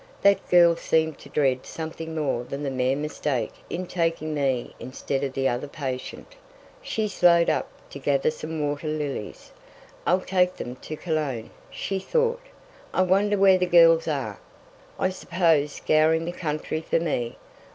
"That girl seemed to dread something more than the mere mistake in taking me in instead of the other patient." She slowed up, to gather some water lilies. "I'll take them to Cologne," she thought. "I wonder where the girls are? I suppose scouring the country for me.